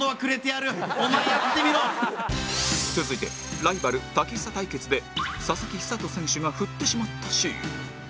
続いてライバルタキヒサ対決で佐々木寿人選手が振ってしまったシーン